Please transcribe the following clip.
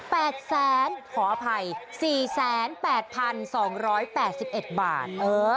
แปดแสนขออภัยสี่แสนแปดพันสองร้อยแปดสิบเอ็ดบาทเออ